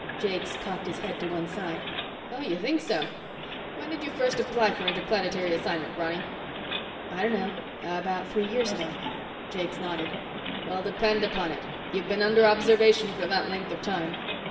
Jakes cocked his head to one side. "Oh? You think so? When did you first apply for interplanetary assignment, Ronny?" "I don't know, about three years ago." Jakes nodded. "Well, depend on it, you've been under observation for that length of time.